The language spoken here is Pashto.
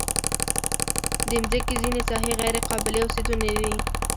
د مځکې ځینې ساحې غیر قابلې اوسېدنې دي.